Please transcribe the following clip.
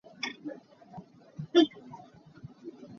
A hnubik a chuakmi cu keimah ka si.